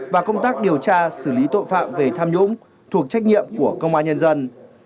và công tác điều tra xử lý tội phạm về tham nhũng thuộc trách nhiệm của công an nhân dân